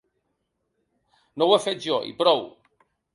No ho he fet jo i prou.